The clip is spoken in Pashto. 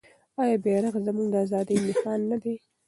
آیا بیرغ زموږ د ازادۍ نښان نه دی؟